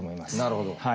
なるほど。